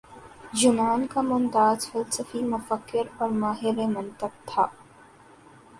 یونان کا ممتاز فلسفی مفکر اور ماہر منطق تھا